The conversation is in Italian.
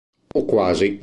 O quasi.